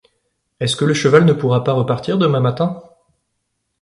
Est-ce que le cheval ne pourra pas repartir demain matin ?